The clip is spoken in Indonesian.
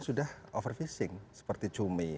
sudah overfishing seperti cumi